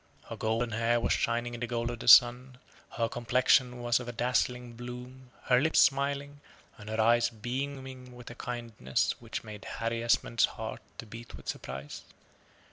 Her golden hair was shining in the gold of the sun; her complexion was of a dazzling bloom; her lips smiling, and her eyes beaming with a kindness which made Harry Esmond's heart to beat with surprise.